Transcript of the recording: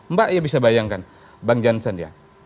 mbak ya bisa bayangkan bang jansen ya